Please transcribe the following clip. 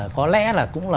có lẽ là cũng là